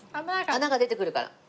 穴が出てくるから。